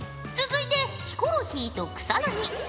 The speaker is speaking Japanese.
続いてヒコロヒーと草薙。